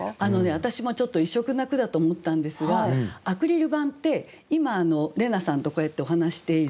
私もちょっと異色な句だと思ったんですがアクリル板って今怜奈さんとこうやってお話ししている